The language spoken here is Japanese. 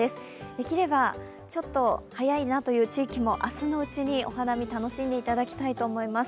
できれば、ちょっと早いなという地域も、明日のうちにお花見、楽しんでいただきたいと思います。